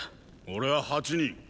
俺は八人。